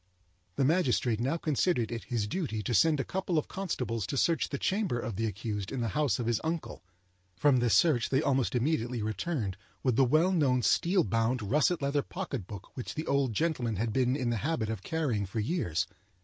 The magistrate now considered it his duty to send a couple of constables to search the chamber of the accused in the house of his uncle. From this search they almost immediately returned with the well known steel bound, russet leather pocket book which the old gentleman had been in the habit of carrying for years.